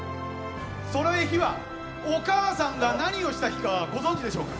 その日はお母さんが何をした日かご存知でしょうか。